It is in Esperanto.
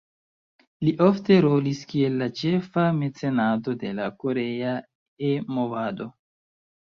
Li ofte rolis kiel la ĉefa mecenato de la korea E-movado.